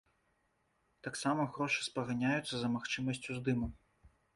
Таксама грошы спаганяюцца за магчымасць уздыму.